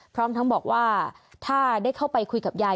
พร้อมทั้งบอกว่าถ้าได้เข้าไปคุยกับยาย